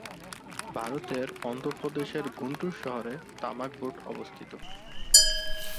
ভারতের অন্ধ্রপ্রদেশের গুন্টুর শহরে তামাক বোর্ড অবস্থিত।